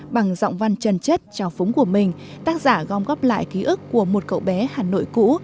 bằng giọng văn trần chất trào phúng của mình tác giả gom góp lại ký ức của một cậu bé hà nội cũ